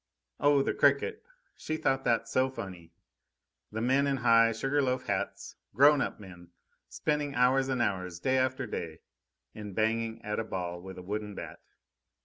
Oh, the cricket! She thought that so funny the men in high, sugar loaf hats, grown up men, spending hours and hours, day after day, in banging at a ball with a wooden bat!